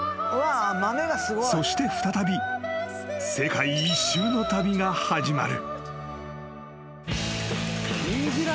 ［そして再び世界一周の旅が始まる］